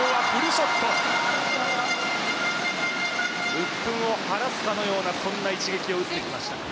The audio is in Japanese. うっぷんを晴らすかのような、そんな一撃を打ってきました。